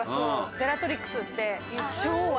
ベラトリックスって超悪。